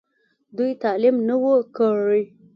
دوي تعليم نۀ وو کړی